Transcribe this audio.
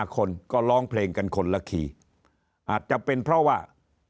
คนก็ร้องเพลงกันคนละขี่อาจจะเป็นเพราะว่า